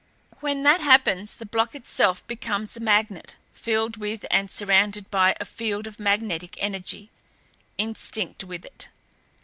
"When that happens the block itself becomes a magnet, filled with and surrounded by a field of magnetic energy; instinct with it.